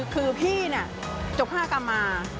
คือพี่จบ๕กรรมมา